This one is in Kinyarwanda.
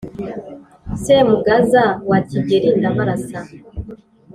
Semugaza wa Kigeli Ndabarasa